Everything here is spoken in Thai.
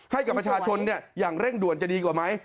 ให้กับประชาชนอย่างเร่งด่วนจะดีกว่าไหม